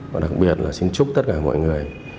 và đặc biệt là xin chúc tất cả mọi người